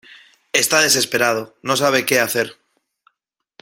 Está desesperado, no sabe qué hacer.